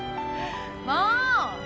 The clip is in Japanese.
もう！